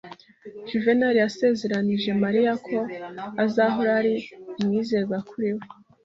Juvenari yasezeranyije Mariya ko azahora ari umwizerwa kuri we.